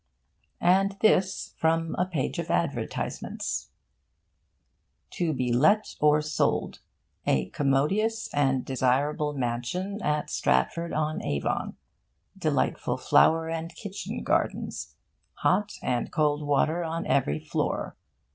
And this from a page of advertisements: To be let or sold. A commodious and desirable Mansion at Stratford on Avon. Delightful flower and kitchen gardens. Hot and cold water on every floor.